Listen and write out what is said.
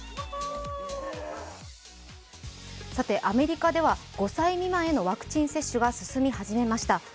アメリカでは５歳未満へのワクチン接種が進み始めました。